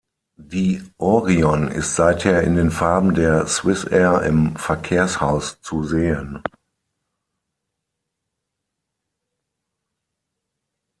Die Orion ist seither in den Farben der Swissair im Verkehrshaus zu sehen.